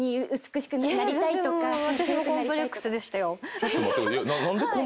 ちょっと待って。